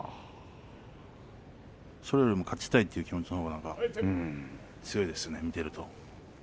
それよりも勝ちたいという気持ちが強いですね、見てると。